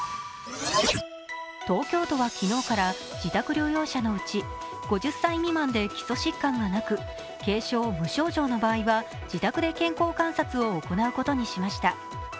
東京都は昨日から自宅療養者のうち５０歳未満で基礎疾患がなく軽症、無症状の場合は自宅で健康観察を行うことにしました。